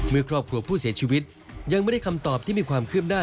เมื่อครอบครัวผู้เสียชีวิตยังไม่ได้คำตอบที่มีความคืบหน้า